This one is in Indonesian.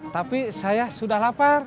tapi saya sudah lapar